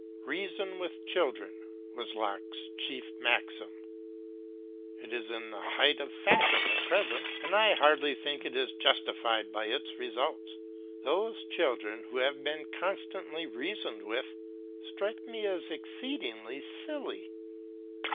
"Reason with children" was Locke's chief maxim; it is in the height of fashion at present, and I hardly think it is justified by its results; those children who have been constantly reasoned with strike me as exceedingly silly.